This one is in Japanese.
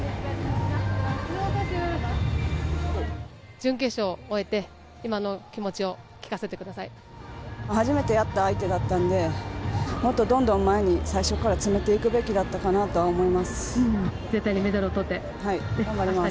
準決勝を終えて今の気持ちを初めてやった相手だったのでもっとどんどん前に最初から詰めていくべきだったかなと思います。